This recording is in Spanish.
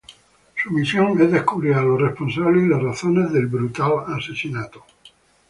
Su misión es descubrir a los responsables y las razones del brutal asesinato.